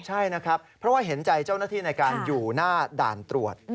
ใช่นะครับเพราะว่าเห็นใจเจ้าหน้าที่ในการอยู่หน้าด่านตรวจ